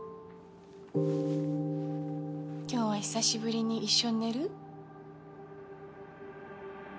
今日は久しぶりに一緒に寝る？